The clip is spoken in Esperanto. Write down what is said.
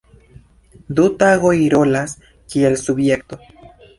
Du tagoj rolas kiel subjekto.